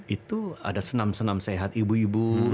itu ada senam senam sehat ibu ibu